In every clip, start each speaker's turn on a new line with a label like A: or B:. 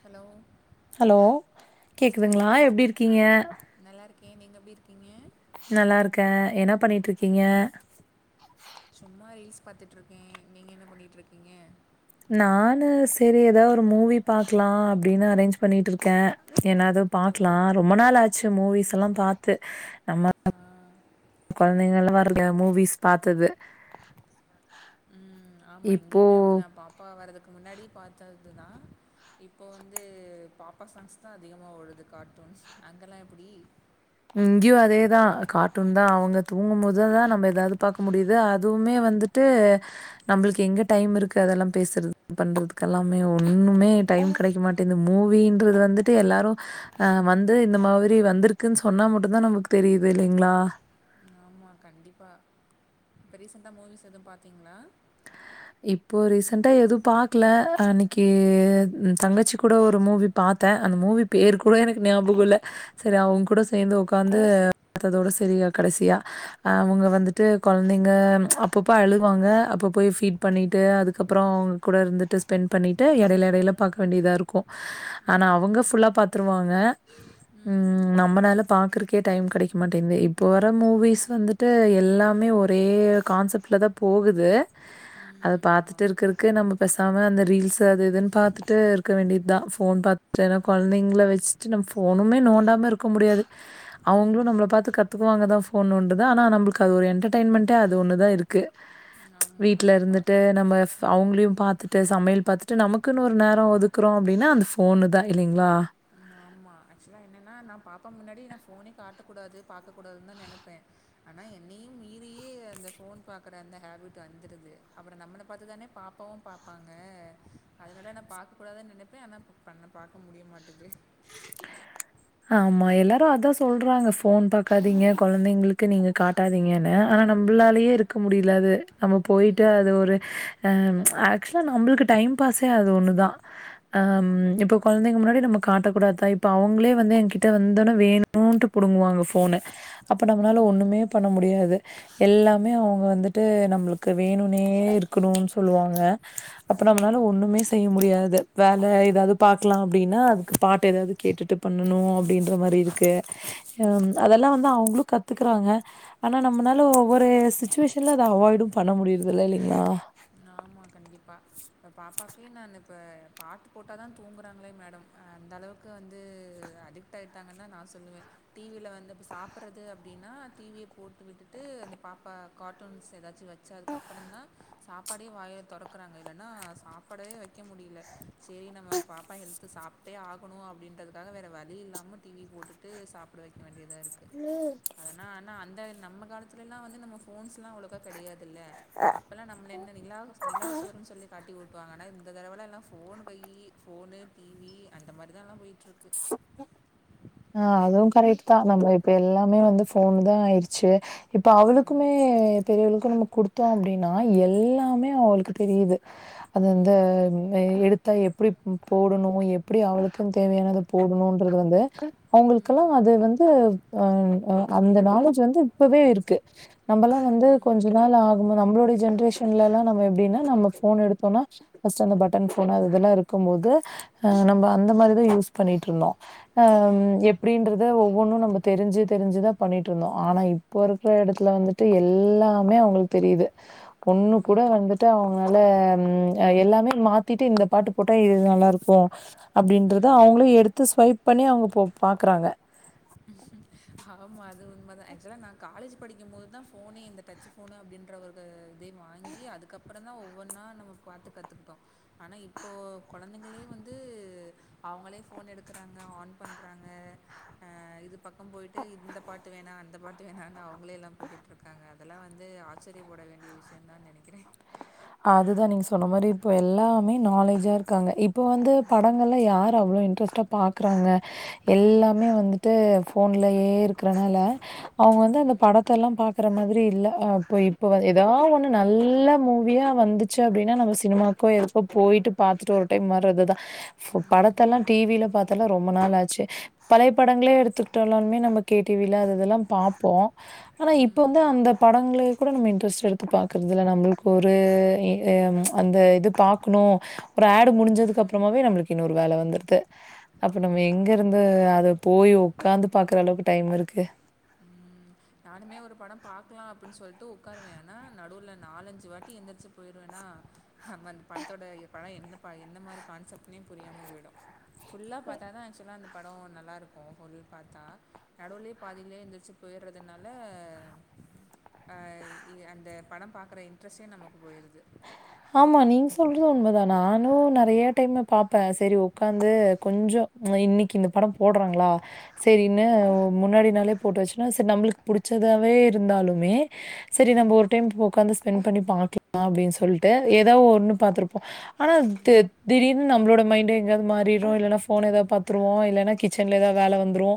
A: Hello
B: hello
A: sister
B: கேக்குதுங்களா
A: எப்டி இரு ஆ
B: இருக்கீங்க
A: நல்லாருக்கே நீங்க எப்டி இருக்கீங்க
B: நல்லாருக்கே என்ன பண்ணிட்ருக்கீங்க
A: சும்மா ரீல்ஸ் பாத்துட்ருக்கே நீங்க என்ன பண்ணிட்ருக்கீங்க
B: நானு சேரி எதா ஒரு மூவி பாக்லா அப்டின்னு அரேஞ்ச் பண்ணிட்ருக்கே என்னாது
A: ஓ
B: பாக்லா ரொம்ப நாள் ஆச்சு மூவிஸ்ல்லா பாத்து நம்ம
A: ஆ
B: கொழந்தைங்கலா வரு மூவிஸ் பாத்தது
A: ஆமா
B: இப்போ
A: இங்கியுமே அப்டிதா பாப்பா வரதுக்கு முன்னாடி பாத்ததுதா இப்ப வந்து பாப்பா சாங்ஸ் தா அதிகமா ஓடுது கார்ட்டூன்ஸ் அங்கல்லா எப்டி
B: இங்கியு அதேதா கார்ட்டூன் தா அவுங்க தூங்கும்போது தா நம்ப எதாவ்து பாக்க முடிது அ துவ்மே வந்துட்டு
A: ம்
B: நம்ளுக்கு எங்க டைம் இருக்கு அதெல்லா பேசுறது பண்றதுக்கெல்லாமே ஒண்ணுமே
A: ம்
B: டைம் கெடைக்க மாட்டேது மூவின்றது வந்து ட்டு எல்லாரு ஆ வந்து இந்த மாரி வந்திருக்குன் சொன்னா மட்டுந்தா நம்ளுக்கு தெரிது இல்லைங்ளா
A: ஆமா கண்டிப்பா இப்ப ரீசென்ட்டா மூவிஸ் எதுவு பாத்தீங்ளா
B: இப்போ ரீசென்ட்டா எது பாக்ல அன்னக்கி தங்கச்சி கூட ஒரு மூவி பாத்தே அந்த மூவி பேர்
A: ம்
B: கூட எனக்கு ஞாபகோ இல்ல செரி அவுங்க
A: ம்
B: கூட சேந்து ஒ க்காந்து பாத்ததோட சேரியா கடசியா அவுங்க
A: ம்
B: வந்துட்டு கொழந்தைங்க அப்பப்ப அழுவாங்க அப்பப் போய் ஃபீட் பண்ணிட்டு அதுக்கப்றோ அவுங்க கூட இருந்துட்டு ஸ்பென்ட் பண்ணிட்டு எடைல எடைல பாக்க வேண்டிதாருக்கு ஆனா
A: ம்
B: அவுங்க ஃபுல்லா பாத்துருவாங்க ம் நம்மனால பாக்குறக்கே டைம் கெடைக்க மாட்டிந்தே இப்போ வர மூவிஸ் வந்து ட்டு எல்லாமே ஒரே கான்செப்ட்ல தா போகுது அத
A: ம் ஆமாம்
B: பாத்துட்ருக்கறக்கு நம்ம பேசாம அந்த ரீல்ஸ்ஸு அது இதுன் பாத்துட்டு இருக்க வேண்டிதா ஃபோன் பா ஏனா
A: ம்
B: கொழந்தைங்கள வச்சுட்டு நம்ம ஃபோனுமே நோண்டாம இருக்க முடியாது அவுங்ளு நம்மள
A: ம்.
B: பாத்து கத்துக்குவாங்க தா ஃபோன் நோண்ட்றத ஆனா நம்ளுக்கு அது ஒரு என்டர்டைமண்ட்டே அது ஒண்ணுதா இருக்கு
A: ஆமா.
B: வீட்ல
A: கண்டிப்பா.
B: இருந்துட்டு நம்ப அவுங்களையு
A: ம்.
B: பாத்துட்டு சமையல் பாத்துட்டு நமக்குனு ஒரு நேரோ ஒதுக்குறோ அப்டின்னா அந்த ஃபோனு தா இல்லைங்ளா
A: ம்மாமா ஆக்சுவலா என்னன்னா நா பாப்பா முன்னாடி நா ஃபோனே காட்டக்கூடாது பாக்கக்கூடாதுன் தா நெனப்பே ஆனா என்னியு மீறியே அந்த ஃபோன் பாக்குற அந்த ஹேபிட் வந்துருது அப்பறோ நம்மள பாத்துதானே பாப்பாவு பாப்பாங்க அதனால நா பாக்கக்கூடாதுன் நெனப்பே ஆனா பண்ண பாக்க முடிய மாட்டது
B: ஆமா எல்லாரு அதா சொல்றாங்க ஃபோன் பாக்காதீங்க கொழந்தைங்ளுக்கு நீங்க கா ட்டாதீங்கன்னு ஆனா நம்ளாலயே
A: ம்.
B: இருக்க முடில்ல அது நம்ம போய்ட்டு அது
A: ம்.
B: ஒரு ஆ ஆக்சுவலா நம்ளுக்கு டைம் பாஸே அது ஒன்னு தா ஆ
A: ஆமா.
B: இப்ப
A: கண்டிப்பா.
B: கொழந்தைங்க முன்னாடி நம்ம காட்ட கூடாத்தா இப்ப அவுங்ளே வந்து என்கிட்ட வந்தோன வேணுன்ட்டு புடுங்குவாங்க ஃபோனு அப்ப நம்மளால
A: ம்.
B: ஒண்ணுமே பண்ண முடியாது எல்லாமே அவுங்க
A: ம்.
B: வந்துட்டு நம்ளுக்கு வேணுனே இருக்கணுன் சொல்லுவாங்க அப்ப நம்ளால
A: ம்.
B: ஒண்ணுமே செய்ய முடியாது வேல எதாவ்து பாக்லான் அப்டின்னா அதுக்கு பாட்டு எதாவ்து கேட்டுட்டு பண்ணணு அப்டின்ற மாரி இருக்கு
A: ம்.
B: ஆ‌அதெல்லா வந்து அவுங்ளு கத்துக்குறாங்க ஆனா நம்னால ஒவ்வொரு சுச்சுவேஷன்ல அத அவாய்டும் பண்ண முடிர்தில்ல இல்லைங்ளா
A: நாமா கண்டிப்பா இப்போ பாப்பாக்குயே நானு இப்ப பாட்டுப் போட்டாதா தூங்கறாங்ளேங் மேடம் அந்தளவுக்கு வந்து அடிக்ட் ஆயிட்டாங்கன்தா நா சொல்லுவே டி வி ல வந்து இப்ப சாப்பறது அப்டினா டி வியப் போட்டு விட்டுட்டு அந்தப் பாப்பா காார்டூன்ஸ் எதாச்சு வச் ச்ச அதுக்கப்பறந்தா சாப்பாடே வாயத் தொறக்கறாங்க இல்லனா சாப்பாடவே வக்க முடில சேரி நம்ம பாப்பா ஹெல்த்து சாப் டே ஆகணு அப்டின்றதுக்காக வேற வழி இல்லாம டி வி போட்டுட்டு சாப்ட வக்க வேண்டியதா இருக்கு அதனா ஆனா அந்த நம்ம காலத்துலல்லா வந்து நம்ம ஃபோன்ஸ்லா அவ்ளோக்கா கெடையாதுல்ல அப்பெலா நா நம்ள என்ன நிலாச் நிலாசோறுன் சொல்லி காட்டி ஊட்டுவாங்க ஆனா இந்த தரவலா எல்லா ஃபோனு கையி ஃபோனு டி வி அந்த மாரிதா எல்லா போய்ட்ருக்கு
B: அ அதுவு கரெக்ட்டுதா நம்ம இப்ப எல்லாமே வந்து ஃபோன்தா ஆயிர்ச்சு இப்ப அவளுக்குமே
A: ம்
B: பெரியவளுக்கு நம்ம குடுத்தோ அப்டினா எல்லாமே அவுளுக்கு தெரியிது அது அந்த
A: ம்
B: எடுத்தா எப்டிப் போடணு எப்டி அவளுக்குன் தேவையானதப் போடுணுன்றது வந்து அவுங்குளுக்கல்லா
A: ம்
B: அது வந்து அ அ அந்த நாலேஜ் வந்து இப்பவே இருக்கு நம்மளா வந்து கொஞ்ச
A: ம்
B: நாள் ஆகணு நம்ளுடைய ஜென்ரேஷன்ல எல்லா நம்ம எப்டினா நம்ம ஃபோன் எடுத்தோனா ஃபஸ்ட்டு அந்த பட்டன் ஃபோனு அது இதெல்லா இருக்கம்போது அ நம்ம அந்த மாரிதா யூஸ் பண்ணிட்ருந்தோ அம் எப்டின்றத ஒவ்வொன்னு நம்ம தெரிஞ்சு தெரிஞ்சுதா பண்ணிட்ருந்தோ ஆனா இப் இப்போ இருக்ற எடத்ல வந்துட்டு எல்லாமே அவுங்ளுக் தெரியிது பொண்ணு கூட வந்துட்டு அவுங்ளால ம் அ எல்லாமே மாத்திட்டு இந்தப் பாட்டு போட்டா இது நல்லாருக்கு அப்டின்றத
A: ம் ம்
B: அவுங்ளு எடுத்து ஸ்வைப் பண்ணி அவுங்கப் போ பாக்றாங்க
A: ஆமா அது உண்மதா ஆக்சுவலா நா காலேஜூப் படிக்கம்போதுதா ஃபோனே இந்த டச்சு ஃபோனு அப்டின்ற ஒரு தே வாங்கி அதுக்கப்பறந்தா ஒவ்வொன்னா நம்ம பாத்து கத்துக்ட்டோ ஆனா இப்போ கொழந்தைங்ளே வந்து அவுங்களே ஃபோன் எடுக்கறாங்க ஆன் பண்றாங்க அ இதுப் பக் கம் போயிட்டு இந்தப் பாட்டு வேணா அந்த பாட்டு வேணான்னு அவுங்களே எல்லாம் போட்டுட்ருக்காங்க அத் தெல்லா வந்து ஆச்சரியப்பட வேண்டிய விஷ்யந்தான் நெனைக்கிறே
B: அதுதா நீங்க சொன்ன மாரி இப்போ எல்லாமே நாலேஜா இருக்காங்க இப் இப்போ வந்து
A: ம்,
B: படங்கள்ல யாரு அவ்ளோ இன்ட்ரெஸ்ட்டாப் பாக்றாங்க
A: ம்,
B: எல்லாமே வந்து ட்டு ஃபோன்லயே இருக்கிறனால அவுங்க வந்து அந்தப்
A: ம்,
B: படத்த எல்லாம் பாக்கற மாதிரி இல்ல அப்ப இப்ப வ எதா ஒன்னு நல்ல மூவியாப் வந்துச்சு அப்டினா நம்ம சினிமாக்கோ எதுக்கோ போயிட்டு பாத்துட்டு ஒரு டைம் வரதுதா பு
A: ம், ம்,
B: படத்தல்லா டி விலப் பாத்தல்லா ரொம்ப நாள் ஆச்சு பழையப் படங்ளே எடுத்துக்ட்டானாலுமே நம்ம கே டி வி ல அததுலாம் பாப்போ ஆனா இப்ப வந்து
A: ம்,
B: அந்தப் படங்ளேக் கூட நம்ம இன்ட்ரெஸ்ட் எடுத்து பாக்கறதுல்ல நம்புள்க்கு ஒரு அ அந்த இது பாக்ணு ஒரு ஆடு
A: ம்.
B: முடிஞ்சதுக்கு அப்றமாவே நம்ளுக்கு இன்னொரு வேல வந்துர்து அப்போ நம்ம
A: ஆமா.
B: எங்கருந்து அதப் போய் வுக்காந்து பாக்ற அளவுக்கு டைம் இருக்கு
A: ம், நானுமே ஒரு படம் பாக்லா அப்புன் சொல்ட்டு வுக்காருவே ஆனா நடுவுல நாலஞ்சு வாட்டி எந்திரிச்சுப் போயிருவேணா நம்ம அந்த படத்தோட படோ என்னப் ப எந்த மாரி கான்செப்ட்னே புரியாம போய்டு ஃபுல்லா பாத்தாதா ஆக்சுவலா அந்தப் படோ நல்லாருக்கு ஃபுல் பாத்தா நடுவுலியேப் பாதிலியே எந்திரிச்சுப் போயிர்றதனால அ இ அந்த படம் பாக்கற இன்ட்ரெஸ்ட்டே நமக்கு போயிருது
B: ஆமா நீங் சொல்றது வுண்மதா நானு நெறைய டைமு பாப்பே சேரி வுக்காந்து கொஞ்சோ ம் இன்னைக்கு இந்த படம் போடுறாங்களா சேரின்னு
A: ம்,
B: முன்னாடி நாளே போட்டு வச்சுன்னா சேர் நம்மளுக்கு புடிச்சதாவே இருந்தாலுமே சேரி நம்போ
A: ம்,
B: ஒரு டைம் இப்ப ஒக்காந்து ஸ்பெண்ட் பண்ணி பாக்கலாம் அப்டின்னு சொல்லிட்டு ஏதாவ ஒன்னு பாத்துருப்போ ஆனா தி திடீர்னு நம்மளோட மைண்டே எங்கையாது மாறிரு இல்லேனா ஃபோன ஏதாவது பாத்துருவோ இல்லேனா கிச்சன்ல ஏதாவது வேல வந்துரு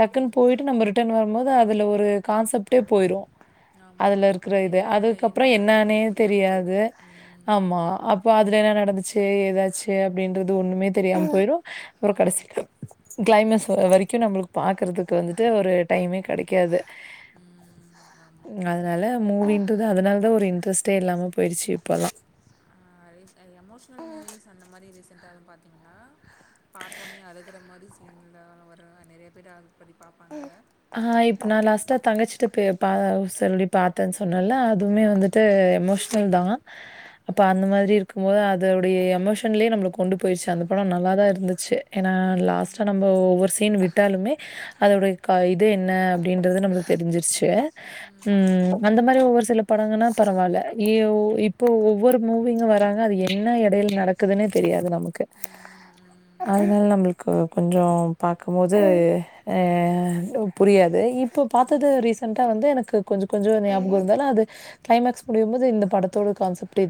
B: டக்குன்னு
A: ம்.
B: போயிட்டு நம்ம ரிட்டர்ன் வரும் போது அதுல ஒரு கான்சப்டே போயிரு
A: ஆமா அது என்ன என்ன
B: என்னான்னே
A: அதுன்னே புரியாம போயிடு
B: தெரியாது. ஆமா அப்போ அதுல என்னா நடந்துச்சு ஏதாச்சு அப்டின்றது ஒண்ணுமே தெரியாம போயிரு ஒரு
A: ம்,
B: கடசிக்கு கிளைமேஸ் வர வரைக்கு நம்மளுக்கு பாக்குறதுக்கு வந்துட்டு ஒரு டைமே கிடைக்காது
A: ம். ஆமா.
B: அதனால மூவின்ட்டுதுா அதனால தா ஒரு இன்ட்ரெஸ்ட்டே இல்லாம போயடுச்சு இப்போல்லா
A: கடைசியா எமோஷனல் மூவிஸ் அந்த மாரி ரீசன்ட்டா எதுவு பாத்தீங்களா பாத்தோனே அழுகுற மாதிரி சீன்ல வ நெறய பேர் அது பத்தி பாப்பாங்கல்ல
B: ஆ இப்ப நா லாஸ்ட்டா தங்கச்சிட்ட பே ப சொல்லி பாத்தேன் சொன்னேல அது துமே
A: ம்
B: வந்துட்டு எமோஷ்னல் தா அப்ப அந்த
A: ம்
B: மாதிரி இருக்கும் போது அதோடைய எமோஷன்லயே நம்மள கொண்டு போயிருச்சு அந்த படம் நல்லாதா இருந்துச்சு ஏனா
A: ம்
B: லாஸ்ட்டா நம்போ ஒரு சீன் விட்டாலுமே
A: ம்
B: அதோட கா இது என்ன அப்டின்றது நம்மளுக்கு தெரிஞ்சிருச்சு ம் அந்த மாரி ஒவ்வொரு சில படங்கன்னா பரவாயில்ல லியோ இப்போ ஒவ்வொரு மூவிங்க வராங்க அது எ என்ன எடைல நடக்குதுனே தெரியாது நமக்கு அதனால நம்மளுக்கு கொஞ்சோ பாக்கும் போது அ அ டோ புரியாது இப்ப
A: ம்
B: பாத்தது
A: ம்
B: ரீசன்ட்டா வந்து எனக்கு கொஞ்ச கொஞ்ச ஞாபகம் இருந்தாலு அது கிளைமேக்ஸ் முடியும்போது இந்த படத்தோட கான்செப்டே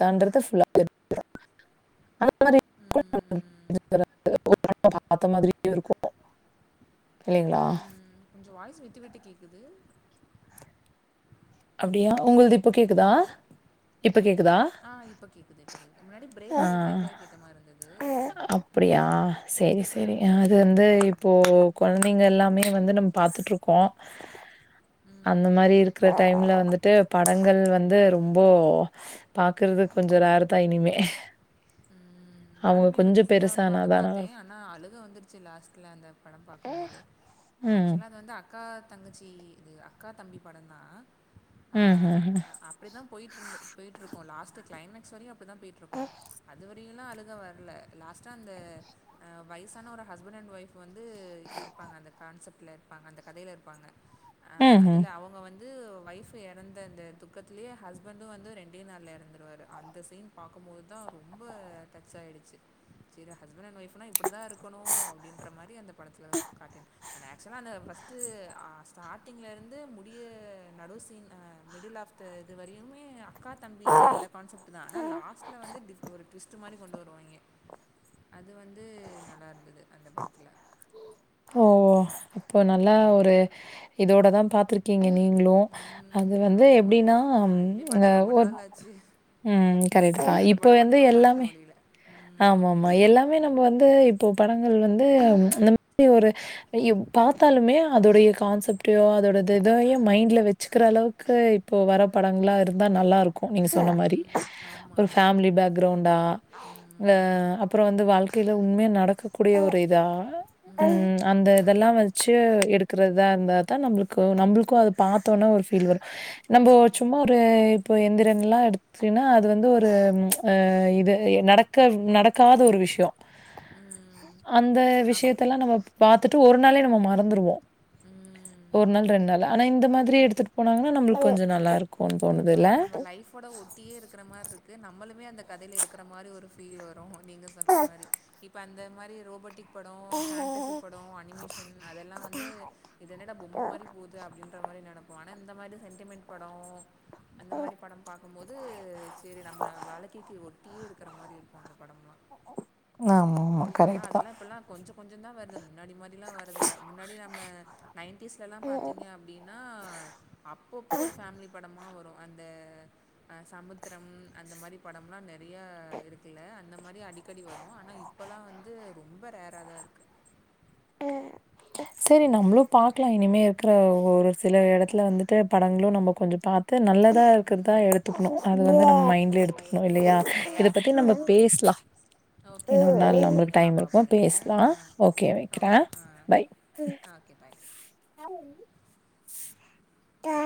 B: தன்றதுல ஃபுல்லா [unintelligible] அந்த மாரி
A: ம்
B: [inaudible] பாத்த மாதிரியே இருக்கு இல்லேங்களா
A: கொஞ்ச வாய்ஸ் விட்டு விட்டு கேக்குது
B: அப்டியா உங்கள்து இப்ப கேக்குதா
A: ஹலோ ஆ இப்ப கேக்குது இப்ப கேக்குது இதுக்கு முன்னாடி பிரேக்
B: ஆ
A: ஆயி பிரேக் ஆயி கேட்ட மாரி இருந்தது அதனால
B: அப்டியா சேரி சேரிங்க அது வந்து இப்போ குழந்தைங்க எல்லாமே வந்து நம் பாத்துட்டு இருக்கோ
A: ம்
B: அந்த
A: ம்
B: மாரி இருக்குற டைம்ல வந்துட்டு படங்கள் வந்து ரொம்போ பாக்குறது கொஞ்ச ரார் தா இனிமே
A: ம்
B: அவங்க
A: நானுமே இப்போ
B: கொஞ்சோ
A: ரீசண்ட்டா ஒரு படம்
B: பெருசானாதான்
A: பாத்தே
B: நல்லாருக்கும்
A: ஆனா அழுக வந்துடுச்சு லாஸ்ட்ல அந்த படம் பாக்கும் போது
B: ம்
A: ஆக்சுவலா அது வந்து அக்கா தங்கச்சி இது அக்கா தம்பி படம் தா ஆ
B: ம்ஹ்ஹும்
A: அப்டிதா போயிட்டு இருந்து போயிட்டு இருக்கு லாஸ்ட் கிளைமேக்ஸ் வரையு அப்டிதான் போயிட்டு இருக்கு அது வரையுலா அழு க வரல லாஸ்டா அந்த வயசான ஒரு ஹஸ்பண்ட் அண்ட் ஒயிஃப் வந்து இருப்பாங்க அந்த கான்செப்ட்ல இருப்பாங்க அந்த கதைல இருப்பாங்க அ
B: ம்ஹ்ம்
A: அதுல அவங்க வந் வந்து ஒய்ஃப்பு இறந்த அந்த துக்கத்திலயே ஹஸ்பண்டு வந்து ரெண்டே நாள்ல இறந்துருவாரு அந்த சீன் பாக்கும் போது தா ரொம்ப டச் ஆயிடுச்சு சேரி ஹஸ்பண்ட் அண்ட் ஒய்ஃப் இப்டிதா இருக்கணு அப்டின்ற மாரி அந்த படத்தில காட்டிருப் அந்த அக்சுவலா அந்த ஃபஸ் டு அ ஸ்டார்டிங்கல இருந்து முடிய நடு சீன் அ மிடில் ஆஃப் த இது வரையுமே அக்கா தம்பி அந்த கான்செப்ட் தா ஆனா லாஸ்ட்ல வந்து டி ஒரு ட்விஸ்ட் மாரி கொண்டு வருவாங்க அது வந்து நல்லா இருந்தது அந்த படத்துல
B: ஓ ஓ இப்போ நல்லா ஒரு இதோடு தா பாத்துருக்கீங்க நீங்களு அது வந்து
A: ஆமாம்
B: எப்டின்னா
A: அதுவுமே பார்த்து
B: ம்
A: ரொம்ப
B: ஒரு
A: நாள் ஆச்சு
B: ம் கரெக்ட்டு தா
A: அந்த
B: இப்ப
A: படம் மட்டும்
B: வந்து
A: இப்போ மறக்க
B: எல்லாமே
A: முடியல ம்
B: ஆமா ஆமா எல்லாமே நம்ம வந்து இப்போ படங்கள் வந்து ச்சு இந்த மாரி ஒரு இவ் பாத்தாலுமே அதோடைய கான்செப்டயோ அதோட இதத மைண்ட்ல வச்சுக்கிற அளவுக்கு இப்போ வர படங்களாக இருந்தா நல்லாயிருக் க்கு நீங்க சொன்ன மாரி
A: ம் ஆமாம்
B: ஒரு
A: ஆமாம்
B: ஃபேமிலி பேக்கிரவுண்டா அ
A: ம்
B: அப்புறோ வந்து வாழ்க்கையில உண்மைய நடக்கக்கூடிய ஒரு இதா ம் அந்த இதெல்லா வந் வச்சு எடுக்கறதா இருந்தா தா நம்மளுக்கு நம்மளுக்கும் அத பாத்தவுடனே ஒரு ஃபீல் வரு நம்ம
A: ம்
B: சும்மா ஒரு இப்போ எந்திரன் எல்லா எடுத்துடின்னா அது வந்து ச்சு ஒரு இது நடக் க்க நடக்காத ஒரு விஷயோ
A: ம்
B: அந்த
A: ஆமாம்
B: விஷயத்தல்லா நம்ம பாத்துட்டு ஒரு நாளையே நம்ம மறந்துருவோ
A: ம்
B: ஒரு நாள் ரெண்டு நாள் ஆனா இந்த மாதிரி எடுத்துட்டு போனாங்கன்னா நம்மளுக்கு கொஞ்சோ நல்லா இருக்கு
A: ஆமா நம்ம லைஃவோட ஒட்டியே இருக்குற மாரி இருக்கு நம்மளுமே அந்த கதையில இருக்குற மாரி ஒரு ஃபீல் வரும் நீங்க சொல்ற மாரி இப்ப அந்த மாரி ரோபோட்டிக் படோ பெண்டசி படோ அனிமேஷன் அதெல்லா வந்து இதுஎன்னடா பொம்ம மாதிரி போது து அப்டின்ற மாரி நெனப்போ ஆனா இந்த மாதிரி சென்டிமெண்ட் படோ அந்த மாதிரி படம் பாக்கும்போது செரி நம்ம வழக்கிக்கு ஒரு பேய் இருக்கிற மாதிரி இருக்கு அந்த படம்லா
B: ஆம்மா கரெக்ட் தா
A: இப்போயெல்லா கொஞ்ச கொஞ்ச தா வருது முன்னாடி மாரி ல்லா வரது இல்ல முன்னாடி நம்ம நைன்டிஸ் எல்லா பாத்தீங்க அப்டின் ன்னா அப்பப்போ ஒரு ஃபேமிலி படமா வரும் அந்த அ சமுத்திரம் அந்த மாரி படம்லா நெறையா இருக்குல்ல அந்த மாரி அடிக்கடி வரு ஆனா இப் இப்போலா வந்து ரொம்ப ரேராக தா இருக்கு
B: செரி நம்மளு பாக்கலா இனிமே இருக்கிற ஒ ஒ ஒரு சில இடத்துல வந்து த்து படங்களு நம்ம கொஞ்சோ பாத்து நல்லதாக இருக்கிறதா எடுத்துக்கணு அது வந்து நம்ம மைண்டில எடுத்துக்கணு
A: மைண்ட்ல
B: இல்லையா
A: இருக்கும்
B: இத பத்தி நம்ம
A: ஆமாம்
B: பேஸ்லா
A: ஓகேப்பா
B: இன்னொரு நாளு
A: சரி
B: நமளுக்கு
A: நீங்கள்
B: டைம்
A: பாப்பாவை
B: இருக்கு
A: பாருங்கள்
B: பேஸ்லா ஓகே வை
A: ஆ
B: அ
A: ஓகே
B: பைய்
A: ஆ ஓகே பாய்
B: தா